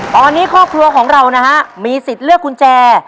ตอนนี้ครอบครัวของเรานะฮะมีสิทธิ์เลือกกุญแจ